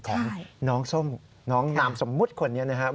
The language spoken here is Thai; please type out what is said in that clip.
ของน้องนามสมมุติคนนี้นะครับ